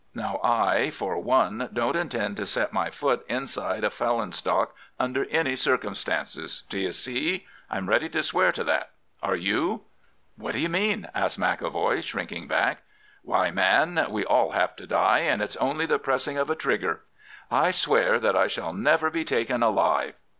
Now I, for one, don't intend to set my foot inside a felon's dock under any circumstances. D'ye see? I'm ready to swear to that. Are you?' "'What d'you mean?' asked McEvoy, shrinking back. "'Why, man, we all have to die, and it's only the pressing of a trigger. I swear that I shall never be taken alive.